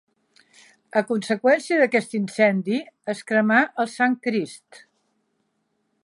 A conseqüència d'aquest incendi es cremà el Sant Crist.